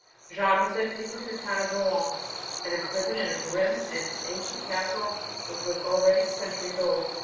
Jeanne was then taken to the town of Rouen and imprisoned in a grim and ancient castle, which was already centuries old.